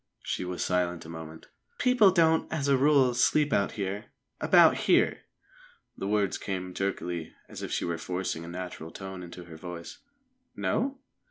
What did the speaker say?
She was silent a moment. "People don't as a rule sleep out about here." The words came jerkily, as if she were forcing a natural tone into her voice. "No?"